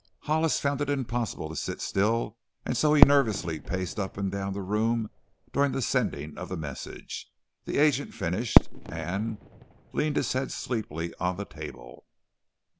Hollis found it impossible to sit still and so he nervously paced up and down the room during the sending of the message. The agent finished and, leaned his head sleepily on the table.